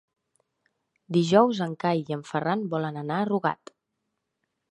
Dijous en Cai i en Ferran volen anar a Rugat.